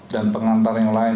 dan pengantar yang lain